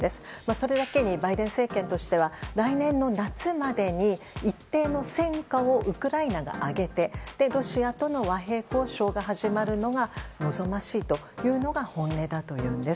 それだけにバイデン政権としては来年の夏までに一定の戦果をウクライナが挙げてロシアとの和平交渉が始まるのが望ましいというのが本音だというのです。